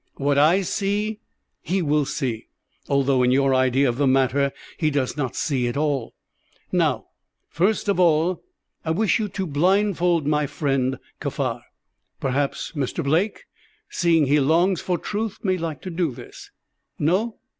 What I see he will see, although in your idea of the matter he does not see at all. Now, first of all, I wish you to blindfold my friend Kaffar. Perhaps Mr. Blake, seeing he longs for truth, may like to do this. No?